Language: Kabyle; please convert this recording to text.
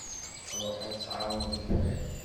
Ruḥ ad tɛawneḍ gma-k.